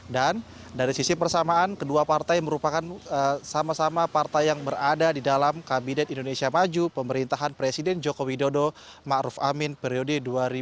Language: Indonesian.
dan dari sisi persamaan kedua partai merupakan sama sama partai yang berada di dalam kabinet indonesia maju pemerintahan presiden joko widodo ma'ruf amin periode dua ribu sembilan belas dua ribu dua puluh empat